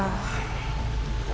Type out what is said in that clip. tentang mbak bella